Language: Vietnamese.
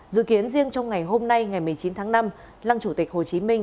dự kiến riêng trong ngày hôm nay ngày một mươi chín tháng năm lăng chủ tịch hồ chí minh